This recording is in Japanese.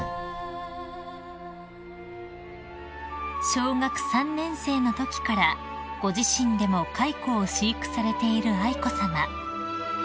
［小学３年生のときからご自身でも蚕を飼育されている愛子さま］